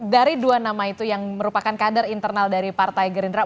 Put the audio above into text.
dari dua nama itu yang merupakan kader internal dari partai gerindra